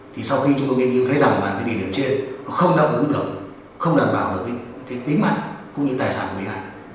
thì sau khi chúng tôi nghiên cứu thấy rằng là cái địa điểm trên nó không đáp ứng được không đảm bảo được cái tính mạng cũng như tài sản của người dân